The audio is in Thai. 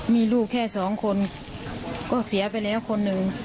มีลูกแค่สองคนก็เสียไปแล้วคนหนึ่ง